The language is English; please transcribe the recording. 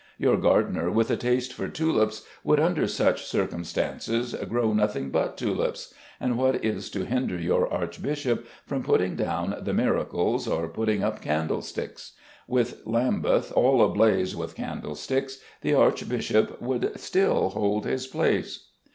Your gardener with a taste for tulips would, under such circumstances, grow nothing but tulips; and what is to hinder your archbishop from putting down the miracles or putting up candlesticks? With Lambeth all ablaze with candlesticks the archbishop would still hold his place.